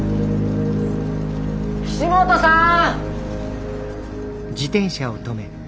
岸本さん！